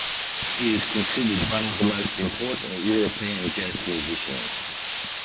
He is considered one of the most important European jazz musicians.